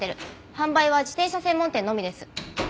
販売は自転車専門店のみです。